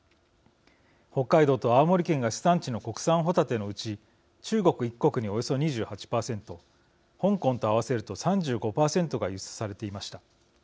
北海道と青森県が主産地の国産ホタテのうち中国一国におよそ２８％香港と合わせると３５％が輸出されていました。